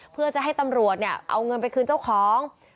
เพื่อจะให้ตำรวจเนี่ยเอาเงินไปคืนเจ้าของ